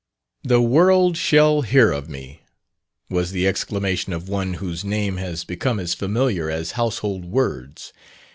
"The world shall hear of me," was the exclamation of one whose name has become as familiar as household words.